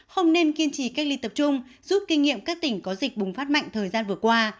không nên kiên trì cách ly tập trung giúp kinh nghiệm các tỉnh có dịch bùng phát mạnh thời gian vừa qua